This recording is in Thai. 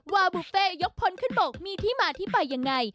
วาบุฟเฟ่ยกพลขึ้นบกมีที่มาที่ไปยังไง